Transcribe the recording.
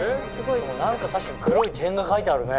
でも何か確かに黒い点が書いてあるね。